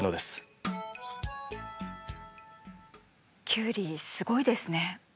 キュウリすごいですね。